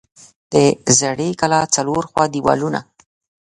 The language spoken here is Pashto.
د زړې کلا څلور خوا دیوالونه